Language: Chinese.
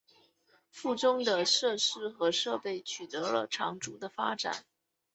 附中的设施和设备取得了长足的发展。